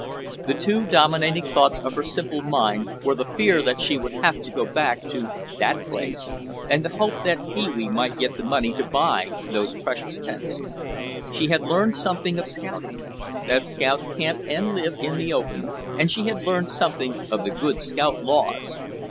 The two dominating thoughts of her simple mind were the fear that she would have to go back to "that place" and the hope that Pee wee might get the money to buy those precious tents. She had learned something of scouting, that scouts camp and live in the open, and she had learned something of the good scout laws.